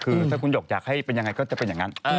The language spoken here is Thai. คือถ้าคุณหยกอยากให้เป็นยังไงก็จะเป็นอย่างนั้น